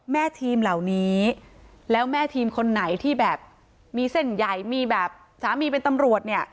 แม่ทีมเหล่านี้แล้วแม่ทีมคนไหนที่แบบมีเส้นใหญ่มีแบบสามีเป็นตำรวจเนี่ย